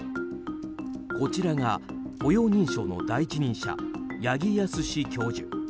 こちらが歩容認証の第一人者八木康史教授。